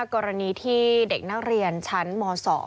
กรณีที่เด็กนักเรียนชั้นม๒